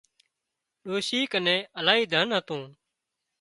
ڏوشي ڪنين الاهي ڌن هتون